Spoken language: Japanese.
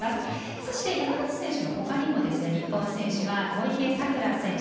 そして山口選手のほかにも日本選手は小池さくら選手